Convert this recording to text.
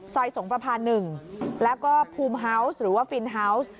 สงประพา๑แล้วก็ภูมิเฮาวส์หรือว่าฟินฮาวส์